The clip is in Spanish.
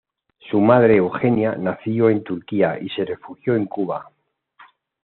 Su madre, Eugenia, nació en Turquía y se refugió en Cuba.